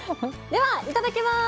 ではいただきます！